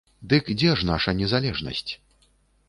Дык дзе ж наша незалежнасць?